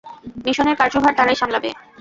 মিশনের কার্যভার তারাই সামলাবে।